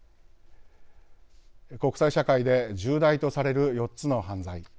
国際社会で重大とされる４つの犯罪。